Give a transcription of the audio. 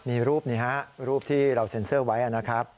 มีรูปนี้ฮะรูปที่เราเซ็นเซอร์ไว้นะครับ